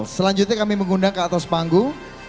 selanjutnya kami mengundang ke atas panggung